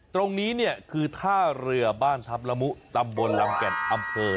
ตรงนี้เนี่ยคือท่าเรือบ้านทัพละมุตำบลลำแก่นอำเภอ